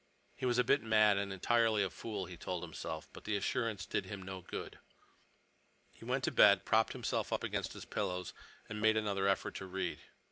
He was a bit mad and entirely a fool, he told himself. But the assurance did him no good. He went to bed, propped himself up against his pillows, and made another effort to read.